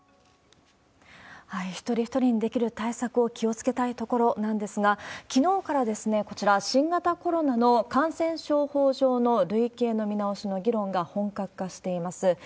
一人一人にできる対策を気をつけたいところなんですが、きのうから、こちら、新型コロナの感染症法上の類型の見直しの議論が本格化しています。